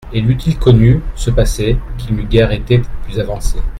Et l'eût-il connu, ce passé, qu'il n'eût guère été plus avancé.